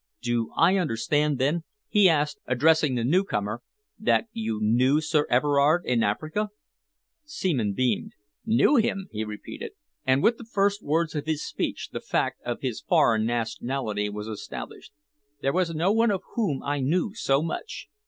"Do I understand, then," he asked, addressing the newcomer, "that you knew Sir Everard in Africa?" Seaman beamed. "Knew him?" he repeated, and with the first words of his speech the fact of his foreign nationality was established. "There was no one of whom I knew so much.